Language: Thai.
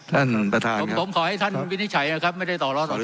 ท่านประธานผมขอให้ท่านวินิจฉัยนะครับไม่ได้ต่อล้อต่อ